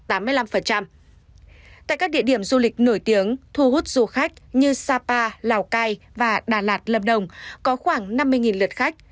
tại các địa điểm du lịch nổi tiếng thu hút du khách như sapa lào cai và đà lạt lâm đồng có khoảng năm mươi lượt khách